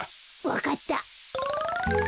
わかった。